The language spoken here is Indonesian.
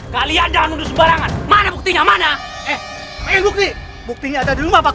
kalian jangan mundur sembarangan mana buktinya mana eh bukti buktinya ada di rumah pak